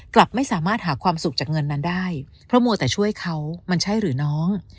กลับไม่สามารถหาความสุขจากเงินนั้นได้เพราะมัวแต่ช่วยเขามันใช่หรือน้อง